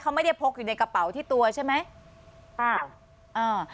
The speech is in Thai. เขาไม่ได้พกอยู่ในกระเป๋าที่ตัวใช่ไหมอ่าอ่า